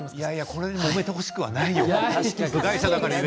これでもめてほしくはないよ。